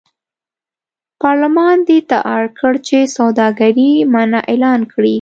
پارلمان دې ته اړ کړ چې سوداګري منع اعلان کړي.